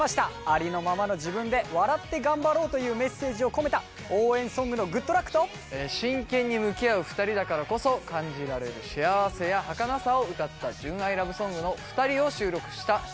ありのままの自分で笑って頑張ろうというメッセージを込めた応援ソングの「ＧｏｏｄＬｕｃｋ！」と真剣に向き合う２人だからこそ感じられる幸せやはかなさを歌った純愛ラブソングの「ふたり」を収録したＳｉｘＴＯＮＥＳ